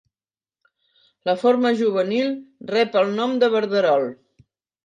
La forma juvenil rep el nom de verderol.